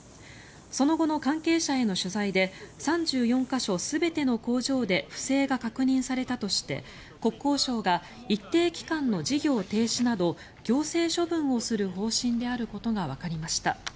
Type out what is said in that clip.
その後の関係者への取材で３４か所全ての工場で不正が確認されたとして国交省が一定期間の事業停止など行政処分をする方針であることがわかりました。